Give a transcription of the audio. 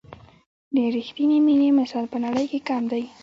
د رښتیني مینې مثال په نړۍ کې کم دی.